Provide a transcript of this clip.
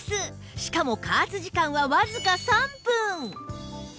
しかも加圧時間はわずか３分